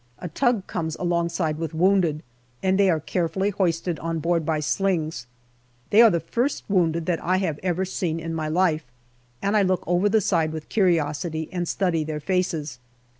A tug comes alongside with wounded, and they are carefully hoisted on board by slings. They are the first wounded that I have ever seen in my life, and I look over the side with curiosity and study their faces.